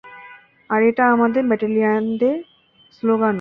আর এটা আমাদের ব্যাটালিয়নের স্লোগানও।